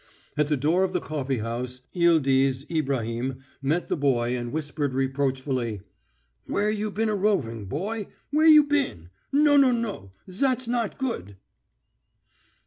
At the door of the coffee house Eeldeez, Ibrahim met the boy and whispered reproachfully: "Where's you been a roving, boy? Where's you been? No, no, no, zat's not good...."